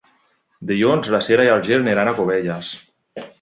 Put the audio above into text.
Dilluns na Cira i en Gil iran a Cubelles.